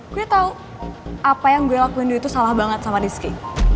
gue tau apa yang gue lakuin dulu itu salah banget sama rizky